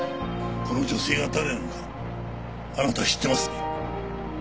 この女性が誰なのかあなた知っていますね？